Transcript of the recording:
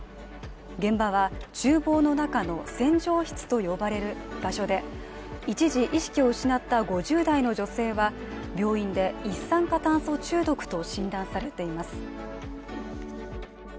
現場はちゅう房の中の洗浄室と呼ばれる場所で一時意識を失った５０代の女性は病院で一酸化炭素中毒と診断されています。